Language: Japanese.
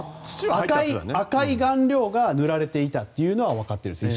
赤い顔料が塗られていたというのはわかっているそうです。